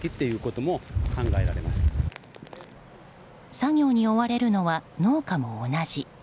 作業に追われるのは農家も同じ。